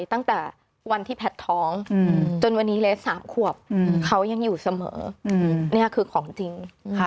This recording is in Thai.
ตั้งแต่วันที่แพทย์ท้องจนวันนี้เลส๓ขวบเขายังอยู่เสมอนี่คือของจริงค่ะ